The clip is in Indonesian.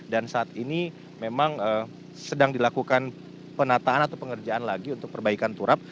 dan saat ini memang sedang dilakukan penataan atau pengerjaan lagi untuk perbaikan turap